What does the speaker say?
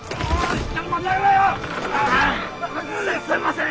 すんません！